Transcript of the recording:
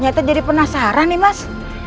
nyai teh jadi penasaran nih mas